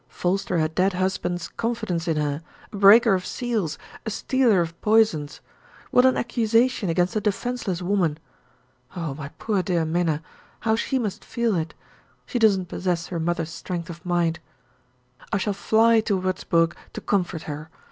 False to her dead husband's confidence in her, a breaker of seals, a stealer of poisons what an accusation against a defenseless woman! Oh, my poor dear Minna! how she must feel it; she doesn't possess her mother's strength of mind. I shall fly to Wurzburg to comfort her.